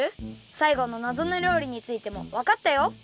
さいごのなぞの料理についてもわかったよ！